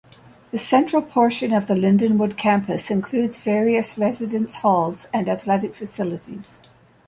The central portion of the Lindenwood campus includes various residence halls and athletic facilities.